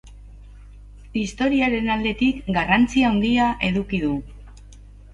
Historiaren aldetik garrantzi handia eduki du.